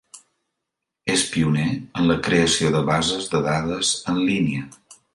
És pioner en la creació de bases de dades en línia.